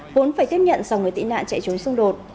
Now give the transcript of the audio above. vốn phải tiếp nhận dòng người tị nạn chạy trốn xung đột